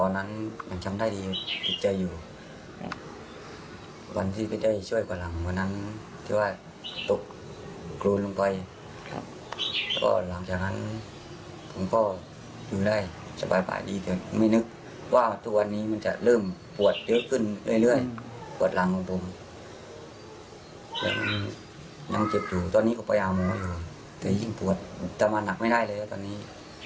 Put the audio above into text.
และมันยังเจ็บอยู่ตอนนี้ก็ประยาบมองอยู่แต่ยิ่งปวดทำมาหนักไม่ได้เลยครับตอนนี้